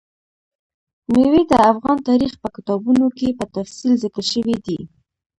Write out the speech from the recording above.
مېوې د افغان تاریخ په کتابونو کې په تفصیل ذکر شوي دي.